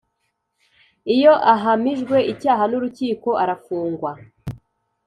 Iyo ahamijwe icyaha n’ urukiko arafungwa